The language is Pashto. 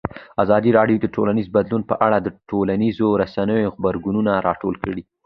ازادي راډیو د ټولنیز بدلون په اړه د ټولنیزو رسنیو غبرګونونه راټول کړي.